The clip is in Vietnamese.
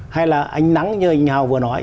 hay là ánh nắng như anh hào vừa nói